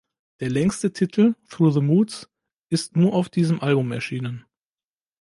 Der längste Titel "Through the Moods" ist nur auf diesem Album erschienen.